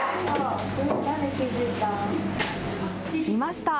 いました。